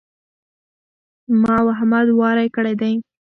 ما او احمد واری کړی دی.